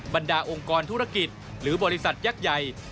บรรดาองค์กรธุรกิจหรือบริษัทยักษ์ใหญ่